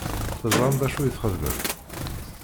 Teẓṛam d acu i txeddmem?